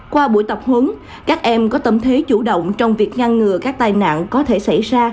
qua buổi tập huấn các em có tâm thế chủ động trong việc ngăn ngừa các tai nạn có thể xảy ra